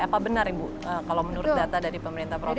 apa benar ibu kalau menurut data dari pemerintah provinsi